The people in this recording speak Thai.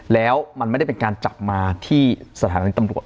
แล้วมันไม่ได้เป็นการจับมาที่สถานีตำรวจ